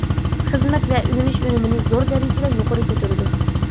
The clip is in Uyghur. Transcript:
خىزمەت ۋە ئۆگىنىش ئۈنۈمىنى زور دەرىجىدە يۇقىرى كۆتۈرىدۇ.